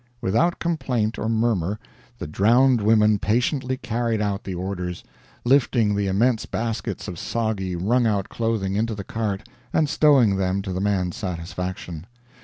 "Without complaint or murmur the drowned women patiently carried out the orders, lifting the immense baskets of soggy, wrung out clothing into the cart and stowing them to the man's satisfaction.